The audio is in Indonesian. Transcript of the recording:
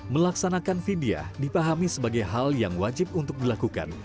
melaksanakan vidya dipahami sebagai hal yang wajib untuk dilakukan